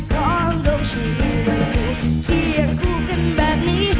ให้พี่รัครูที่อย่างครูกันแบบนี้